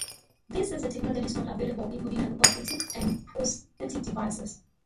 This is a technology that is not available in ordinary orthotics and prosthetics devices.